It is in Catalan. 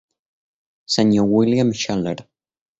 Sr. William Shaler.